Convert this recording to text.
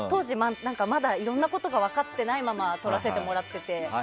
まだいろんなことが分かっていないままとらせてもらっていて。